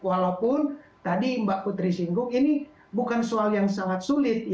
walaupun tadi mbak putri singgung ini bukan soal yang sangat sulit